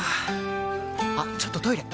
あっちょっとトイレ！